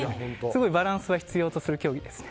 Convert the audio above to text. すごいバランスは必要とする競技です。